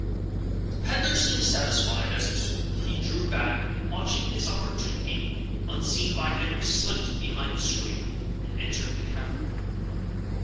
The peddler seemed satisfied; for he drew back, and, watching his opportunity, unseen by Henry, slipped behind the screen, and entered the cavern.